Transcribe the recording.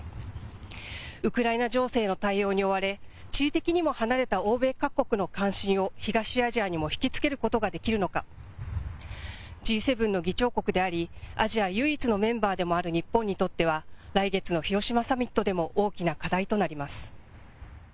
ウクライナ情勢への対応に追われ、地理的にも離れた欧米各国の関心を東アジアにも引き付けることができるのか、Ｇ７の議長国であり、アジア唯一のメンバーでもある日本にとっては、来月の広島サミットでも大きな課題となります。